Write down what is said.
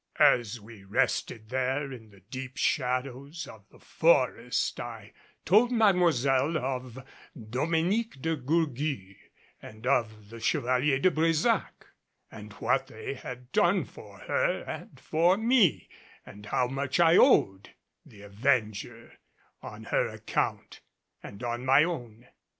As we rested there in the deep shadows of the forest I told Mademoiselle of Domenique de Gourgues, and of the Chevalier de Brésac, and what they had done for her and for me and how much I owed the Avenger on her account and my own.